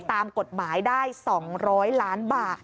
ตามกฎหมายได้๒๐๐ล้านบาท